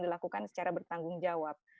dilakukan secara bertanggung jawab